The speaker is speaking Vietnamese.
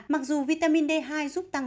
mặc dù vitamin d hai giúp tăng